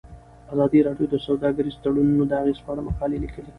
ازادي راډیو د سوداګریز تړونونه د اغیزو په اړه مقالو لیکلي.